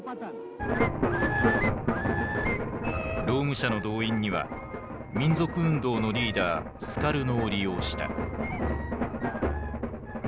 労務者の動員には民族運動のリーダースカルノを利用した。